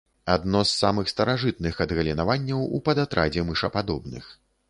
Адно з самых старажытных адгалінаванняў ў падатрадзе мышападобных.